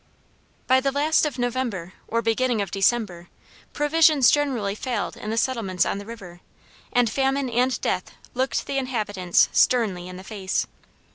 "By the last of November, or beginning of December, provisions generally failed in the settlements on the river, and famine and death looked the inhabitants sternly in the face.